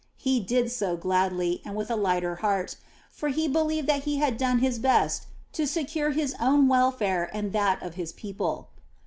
He did so gladly and with a lighter heart; for he believed that he had done his best to secure his own welfare and that of his people.